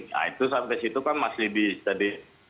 nah itu sampai situ kan masih bisa di